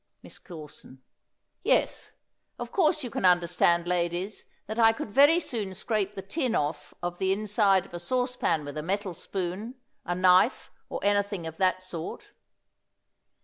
MISS CORSON. Yes; of course you can understand, ladies, that I could very soon scrape the tin off of the inside of a sauce pan with a metal spoon, a knife, or anything of that sort.